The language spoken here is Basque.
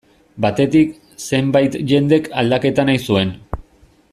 Batetik, zenbait jendek aldaketa nahi zuen.